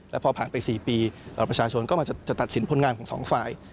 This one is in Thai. แล้วพอผ่านไป๔ปีประชาชนก็จะตัดสินผลงานของสองฝ่าย